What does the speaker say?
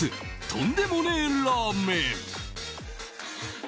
とんでもねぇラーメン。